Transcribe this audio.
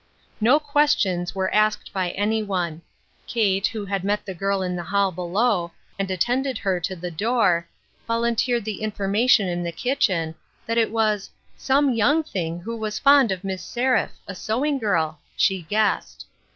No questions were asked by any one. Kate, who had met the girl in the hall below, and attended her to the door, volunteered the information in the kitchen, that it was " some young thing who was fond of Miss Seraph ; a sewing girl," she "guessed."